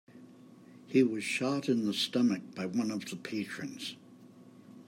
He was shot in the stomach by one of the patrons.